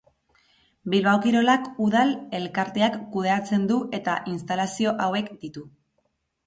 Bilbao Kirolak udal elkarteak kudeatzen du eta instalazio hauek ditu.